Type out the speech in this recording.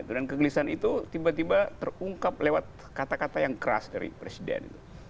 dan kegelisahan itu tiba tiba terungkap lewat kata kata yang keras dari presiden